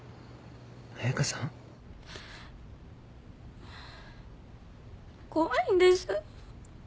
彩佳さん怖いんです。